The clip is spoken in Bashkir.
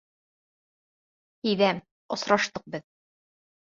Һиҙәм, осраштыҡ беҙ.